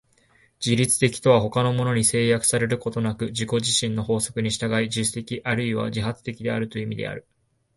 自律的とは他のものに制約されることなく自己自身の法則に従い、自主的あるいは自発的であるという意味である。